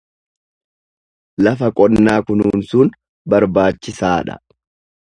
Lafa qonnaa kunuunsuun barbaachisaa dha.